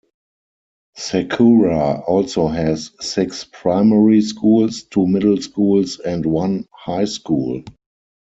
Sakura also has six primary schools, two middle schools and one high school.